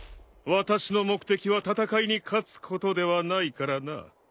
私の目的は戦いに勝つことではないからな。